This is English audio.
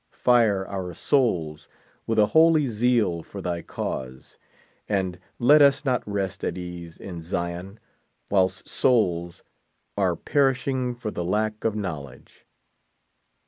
Fire our souls with a holy zeal for thy cause, and let us not rest at ease in Zion whilst souls are per ishing for the lack of knowledge.